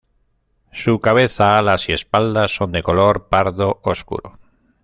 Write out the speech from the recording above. Su cabeza, alas y espalda son de color pardo oscuro.